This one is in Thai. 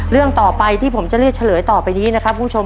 เรื่องต่อไปที่ผมจะเลือกเฉลยต่อไปนี้นะครับคุณผู้ชม